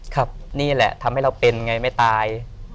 ครับนี่แหละทำให้เราเป็นไงไม่ตาย